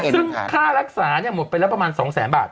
ซึ่งค่ารักษาเนี่ยหมดไปแล้วประมาณ๒๐๐๐๐๐บาท